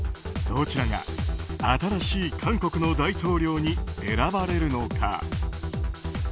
どちらが新しい韓国の大統領に選ばれるのか。